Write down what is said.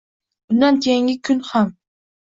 Undan keyingi kun ham